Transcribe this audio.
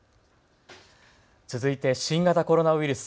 続いて新型コロナウイルス。